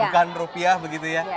bukan rupiah begitu ya